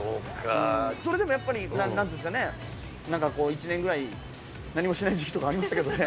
それでもやっぱり、なんていうんですかね、なんかこう、１年ぐらい何もしない時期とかありましたけどね。